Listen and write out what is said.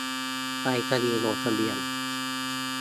ไปรษณีย์ลงทะเบียน